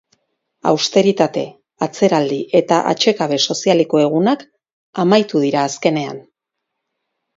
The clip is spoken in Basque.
Austeritate, atzeraldi eta atsekabe sozialeko egunak amaitu dira azkenean.